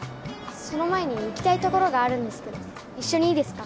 その前に行きたい所があるんですけど一緒にいいですか？